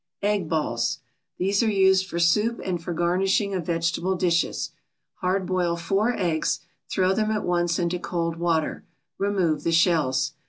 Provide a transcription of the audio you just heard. EGG BALLS These are used for soup and for garnishing of vegetable dishes. Hard boil four eggs, throw them at once into cold water, remove the shells.